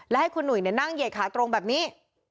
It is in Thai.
และให้คุณหนุ่ยนั่งเหยดขาตรงแบบนี้